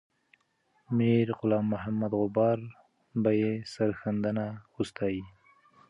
میرغلام محمد غبار به یې سرښندنه وستایي.